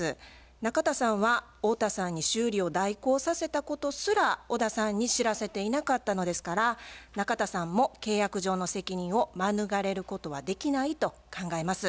中田さんは太田さんに修理を代行させたことすら小田さんに知らせていなかったのですから中田さんも契約上の責任を免れることはできないと考えます。